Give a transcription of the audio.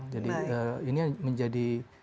jadi ini menjadi